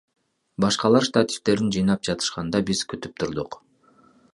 Башкалар штативдерин жыйнап жатышканда, биз күтүп турдук.